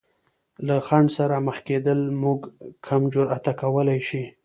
له خنډ سره مخ کېدل مو کم جراته کولی شي.